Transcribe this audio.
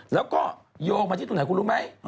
แล้วก็โยงมาที่ตรงไหนคุณรู้ไหม